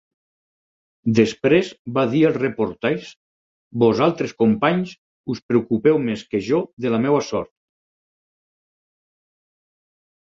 Després va dir als reporters "Vosaltres companys us preocupeu més que jo de la meva sort.